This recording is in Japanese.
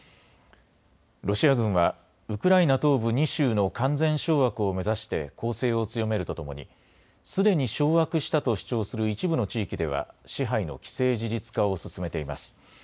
ロシア軍はウクライナ東部２州の完全掌握を目指して攻勢を強めるとともにすでに掌握したと主張する一部の地域では支配の既成事実化を進めています。